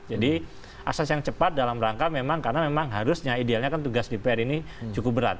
jadi asas yang cepat dalam rangka memang karena memang harusnya idealnya kan tugas dpr ini cukup berat